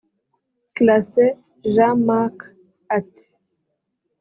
Classe Jean Mark ati